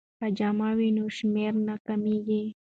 که جمع وي نو شمېر نه کمیږي.